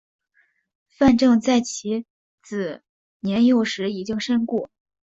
范正在其子年幼时已经身故。